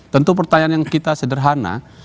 tentu pertanyaan yang kita sederhana